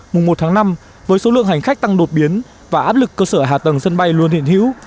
mùng một tháng năm với số lượng hành khách tăng đột biến và áp lực cơ sở hạ tầng sân bay luôn hiện hữu